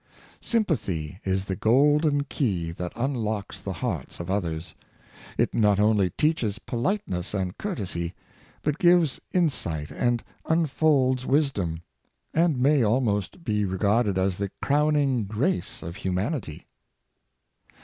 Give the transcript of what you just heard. Sympathy is the golden key that un locks the hearts of others. It not only teaches polite ness and courtesy, but gives insight and unfolds wis dom, and may almost be regarded as the crowning grace of humanity.